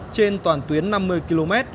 trên toàn tuyến năm mươi km